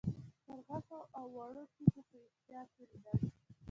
تر غټو او وړو تيږو په احتياط تېرېدل.